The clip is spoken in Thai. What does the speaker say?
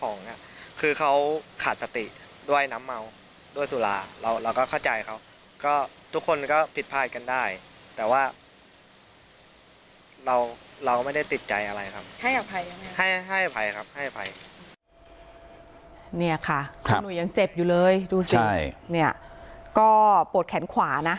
เนี่ยค่ะคุณหุยยังเจ็บอยู่เลยดูสิเนี่ยก็ปวดแขนขวานะ